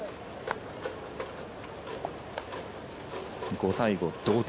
５対５、同点。